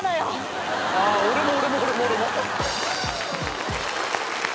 俺も俺も俺も俺も。